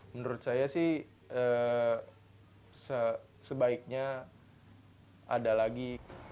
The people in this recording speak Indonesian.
menurut saya sih sebaiknya ada lagi